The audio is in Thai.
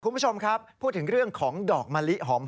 คุณผู้ชมครับพูดถึงเรื่องของดอกมะลิหอม